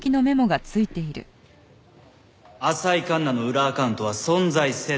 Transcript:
「浅井環那の裏アカウントは存在せず」